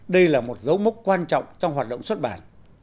đây là một dấu mốc quan trọng trong hoạt động xuất bản